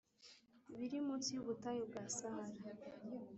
biri munsi y'ubutayu bwa sahara,